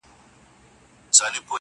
دا زخم تازه دی د خدنګ خبري نه کوو!